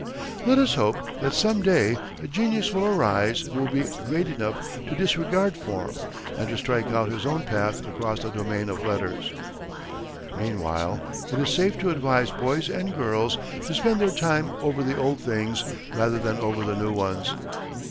Let us hope that some day a genius will arise who will be great enough to disregard form and to strike out his own path across the domain of letters. Meanwhile, it is safe to advise boys and girls to spend their time over the old things rather than over the new ones.